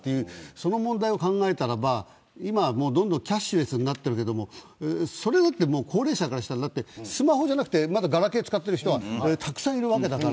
その問題を考えたら今はどんどんキャッシュレスになってるけどそれだって高齢者にしたらスマホじゃなくてガラケー使ってる人もたくさんいる。